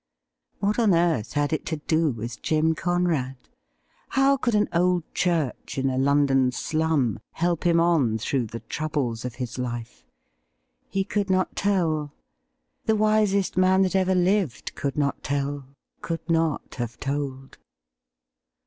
What on earth had it to do with Jim Conrad ? How could an old church in a London slum help him on through the troubles of his life ? He could not tell. The wisest man that ever lived could not tell — could not have told.